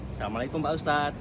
assalamualaikum pak ustadz